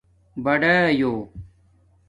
بڑایݸ